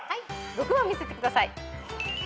６番見せてください。